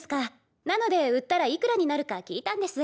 なので売ったらいくらになるか聞いたんです。